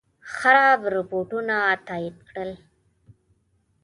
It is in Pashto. خراب رپوټونه تایید کړل.